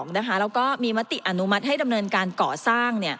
แล้วก็มีมติอนุมัติให้ดำเนินการก่อสร้าง